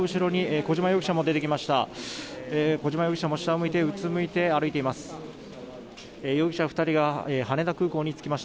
小島容疑者も下を向いてうつむいて歩いています。